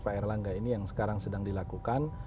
pak erlangga ini yang sekarang sedang dilakukan